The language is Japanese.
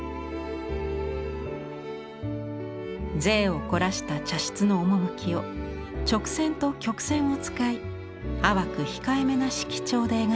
贅を凝らした茶室の趣を直線と曲線を使い淡く控えめな色調で描いています。